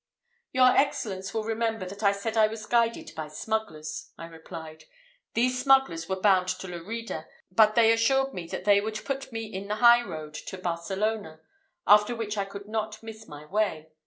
"Your Excellence will remember, that I said I was guided by smugglers," I replied; "these smugglers were bound to Lerida; but they assured me that they would put me in the high road to Barcelona, after which I could not miss my way.